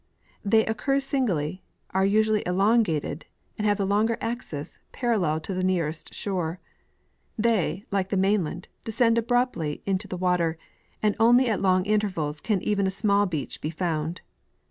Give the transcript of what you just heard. They occur singly, are usually elongated, and have the longer axis parallel to the nearest shore. They, like the mainland, descend abruptly into the water, and only at long intervals can even a small beach be found.